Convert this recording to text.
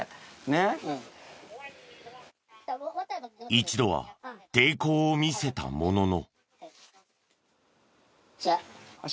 一度は抵抗を見せたものの。